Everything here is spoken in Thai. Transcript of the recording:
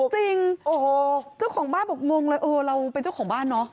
จริงโอ้โหเจ้าของบ้านบอกงงเลยเออเราเป็นเจ้าของบ้านเนอะ